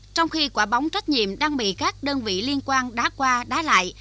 trong khi quả bóng trách nhiệm đang bị các đơn vị liên quan đá qua đá lại